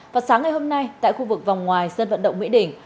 vào sáng ngày hôm nay tại khu vực vòng ngoài sơn vận động mỹ đỉnh